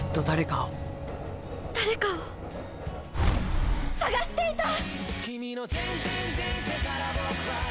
三葉：誰かを探していた！